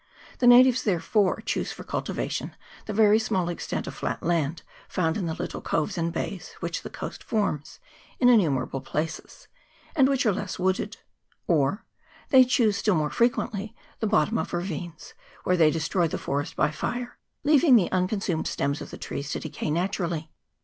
The natives, therefore, choose for cultivation the very small extent of flat land found in the little coves and bays which the coast forms in innumerable places, and which are less wooded ; or they choose still more frequently the bottom of ravines, where they destroy the forest by fire, leaving the unconsumed stems of the trees to decay naturally.